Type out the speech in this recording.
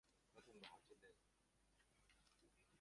Trước cửa nhà mình có bao giờ tin mấy cái trò đó đâu